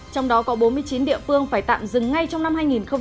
trong đó có bốn mươi chín địa phương phải tạm dừng ngay trong năm hai nghìn một mươi tám